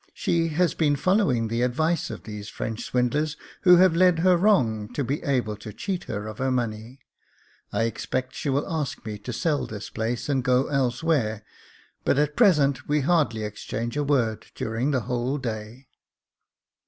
She has been following the advice of these French swindlers, who have led her wrong, to be able to cheat her of her money. I expect she will ask me to sell this place, and go elsewhere ; but at present we hardly exchange a word during the whole day."